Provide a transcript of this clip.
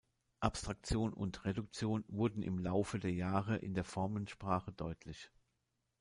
Abstraktion und Reduktion wurden im Laufe der Jahre in der Formensprache deutlich.